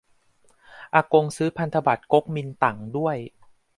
อากงซื้อพันธบัตรก๊กมินตั๋งด้วย